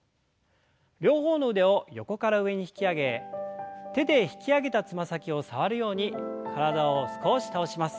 両方の腕を横から上に引き上げ手で引き上げたつま先を触るように体を少し倒します。